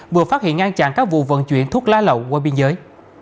vừa phát hiện ngăn chặn các vụ vận chuyển thuốc lá lậu qua biên giới